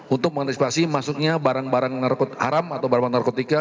untuk mengantisipasi masuknya barang barang haram atau barang barang narkotika